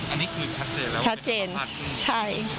อันนี้คือชัดเจนแล้วว่าเป็นประมาทใช่